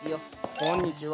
こんにちは。